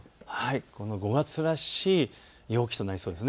５月らしい陽気となりそうです。